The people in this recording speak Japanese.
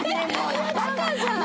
バカじゃん！